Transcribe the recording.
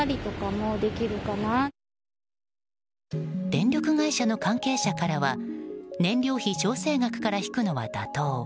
電力会社の関係者からは燃料費調整額から引くのは妥当。